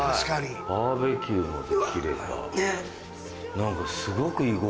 バーベキューもできれば。